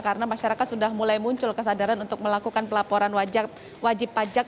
karena masyarakat sudah mulai melakukan pelaporan spt pajak di jawa timur